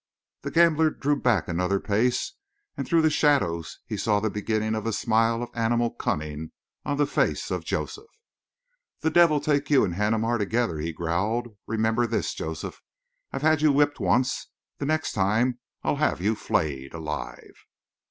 The gambler drew back another pace and through the shadows he saw the beginning of a smile of animal cunning on the face of Joseph. "The devil take you and Haneemar together," he growled. "Remember this, Joseph. I've had you whipped once. The next time I'll have you flayed alive."